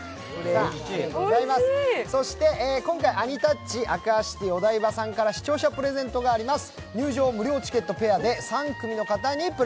そして、今回アニタッチアクアシティお台場さんから視聴者プレゼントがあります。